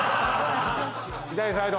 左サイド